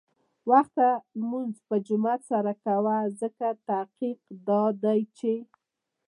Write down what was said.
وخته لمونځ په جماعت سره کوه، ځکه تحقیق دا دی چې